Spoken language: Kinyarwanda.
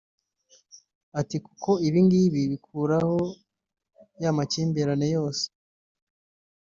Ati “Kuko ibingibi bikuraho ya makimbirane yose